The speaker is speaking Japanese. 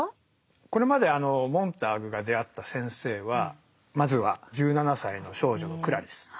これまでモンターグが出会った先生はまずは１７歳の少女のクラリス。